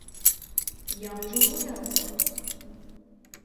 Я ж ужо гуляў там.